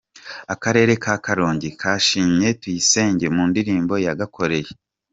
Akarere ka Karongi kashimiye Tuyisenge mu ndirimbo yagakoreye